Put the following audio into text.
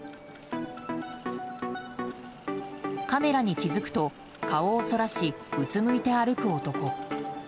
カメラに気づくと顔をそらし、うつむいて歩く男。